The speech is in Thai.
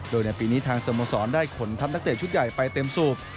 โดยในปีนี้ทางสโมสรได้ขนทัพนักเตะชุดใหญ่ไปเต็มสูบ